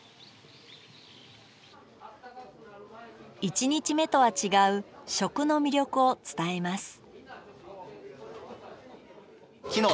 一日目とは違う食の魅力を伝えます